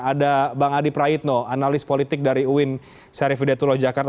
ada bang adi praitno analis politik dari uin syarifudetullah jakarta